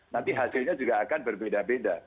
nanti hasilnya juga akan berbeda beda